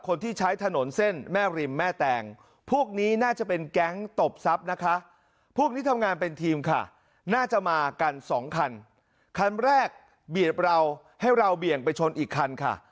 คันแรกเบียบเราให้เราเบี่ยงไปชนอีกคันค่ะ